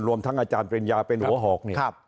รวมทั้งอาจารย์ปริญญาเป็นหัวหอกนี่